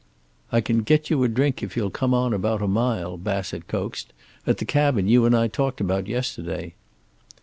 "I can get you a drink, if you'll come on about a mile," Bassett coaxed. "At the cabin you and I talked about yesterday."